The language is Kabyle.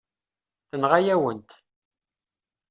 Tenɣa-yawen-t.